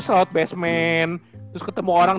selawat bassman terus ketemu orang